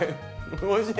おいしい！